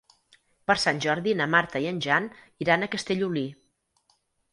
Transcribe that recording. Per Sant Jordi na Marta i en Jan iran a Castellolí.